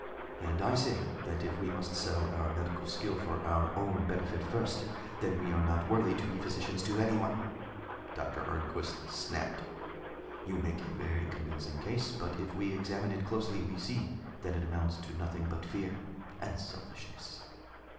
"And I say that if we must sell our medical skill for our own benefit first, then we are not worthy to be physicians to anyone," Doctor Arnquist snapped. "You make a very convincing case, but if we examine it closely, we see that it amounts to nothing but fear and selfishness."